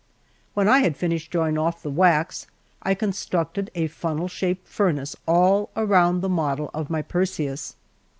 When I had finished drawing off the wax, I constructed a funnel shaped furnace all round the model of my Perseus.